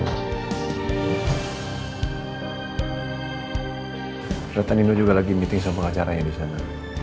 ternyata nino juga lagi meeting sama pengacaranya di sana